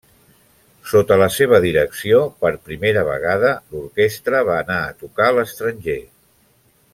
Sota la seva direcció, per primera vegada, l'orquestra va anar a tocar a l'estranger.